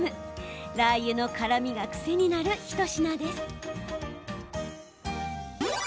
ラー油の辛みが癖になる一品です。